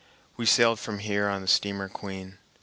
We sailed from here on the steamer Queen.